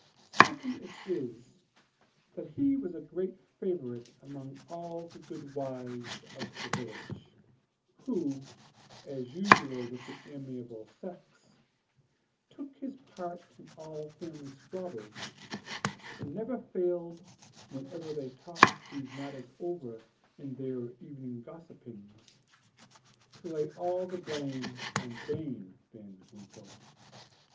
Certain it is, that he was a great favorite among all the good wives of the village, who, as usual with the amiable sex, took his part in all family squabbles; and never failed, whenever they talked those matters over in their evening gossipings, to lay all the blame on Dame Van Winkle.